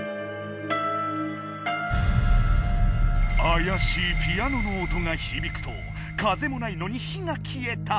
あやしいピアノの音がひびくと風もないのに火が消えた。